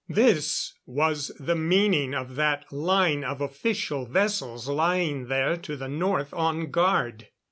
This was the meaning of that line of official vessels lying there to the north on guard.